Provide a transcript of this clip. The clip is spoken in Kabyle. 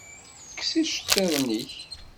Kkes iceṭṭiḍen-ik!